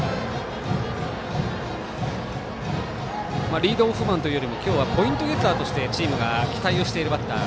リードオフマンというよりも今日はポイントゲッターとしてチームが期待しているバッター。